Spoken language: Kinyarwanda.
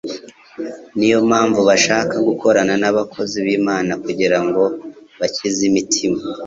ni yo mpamvu bashaka gukorana n'abakozi b'Imana kugira ngo bakize imitima.